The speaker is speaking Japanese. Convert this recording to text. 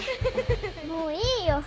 もういいよ。